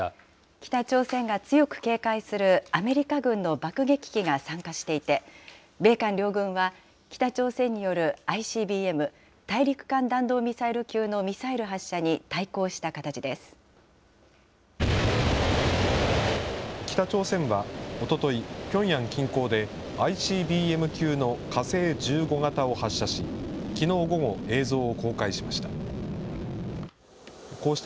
北朝鮮が強く警戒するアメリカ軍の爆撃機が参加していて、米韓両軍は、北朝鮮によるＩＣＢＭ・大陸間弾道ミサイル級のミサイ北朝鮮はおととい、ピョンヤン近郊でＩＣＢＭ級の火星１５型を発射し、きのう午後、映像を公開しました。